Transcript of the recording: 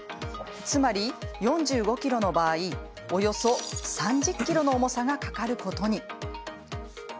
つまり４５ｋｇの場合およそ３０ｋｇの重さがかかることに。